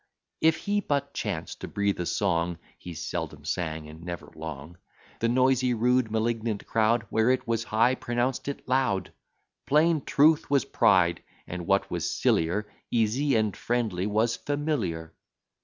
If he but chance to breathe a song, (He seldom sang, and never long,) The noisy, rude, malignant crowd, Where it was high, pronounced it loud: Plain Truth was Pride; and, what was sillier, Easy and Friendly was Familiar.